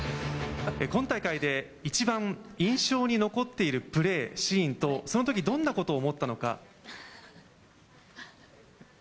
今大会で一番印象に残っているプレー、シーンと、そのとき、どんなことを思ったのか。